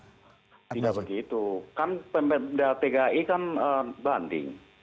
tidak begitu kan pemda tki kan banding